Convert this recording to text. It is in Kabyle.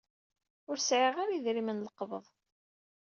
Ur sɛiɣ ara idrimen n lqebḍ.